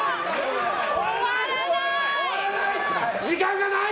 終わらない！